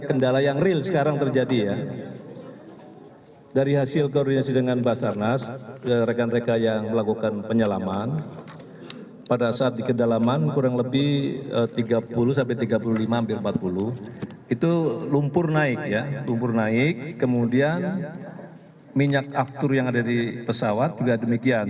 kedala yang real sekarang terjadi ya dari hasil koordinasi dengan basarnas rekan rekan yang melakukan penyelaman pada saat di kendalaman kurang lebih tiga puluh sampai tiga puluh lima hampir empat puluh itu lumpur naik ya lumpur naik kemudian minyak aktur yang ada di pesawat juga demikian